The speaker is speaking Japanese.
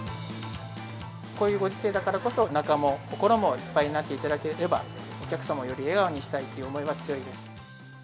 こういうご時世だからこそ、おなかも心もいっぱいになっていただければ、お客様をより笑顔にしたいっていう思いが強いです。